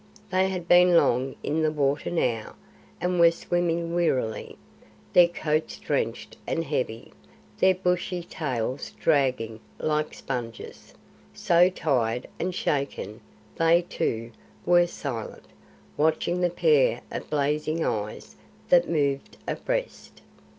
They had been long in the water now, and were swimming wearily, their coats drenched and heavy, their bushy tails dragging like sponges, so tired and shaken that they, too, were silent, watching the pair of blazing eyes that moved abreast.